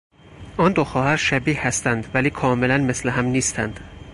آن دو خواهر شبیه هستند ولی کاملا مثل هم نیستند.